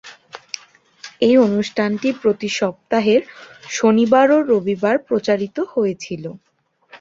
এই অনুষ্ঠানটি প্রতি সপ্তাহের শনিবার ও রবিবার প্রচারিত হয়েছিল।